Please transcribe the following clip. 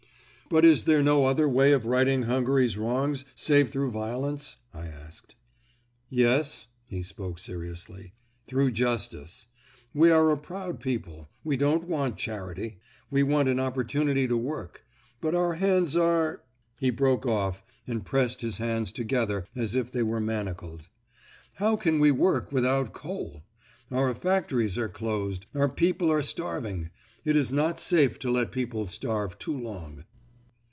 "But is there no other way of righting Hungary's wrongs save through violence?" I asked. "Yes." He spoke seriously. "Through justice. We are a proud people. We don't want charity. We want an opportunity to work. But our hands are——" He broke off and pressed his hands together as if they were manacled. "How can we work without coal? Our factories are closed. Our people are starving. It is not safe to let people starve too long."